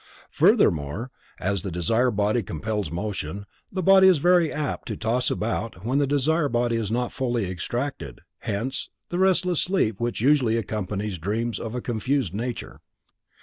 Furthermore, as the desire body compels motion, the body is very apt to toss about when the desire body is not fully extracted, hence the restless sleep which usually accompanies dreams of a confused nature.